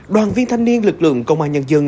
đoàn viên thanh niên lực lượng công an nhân dân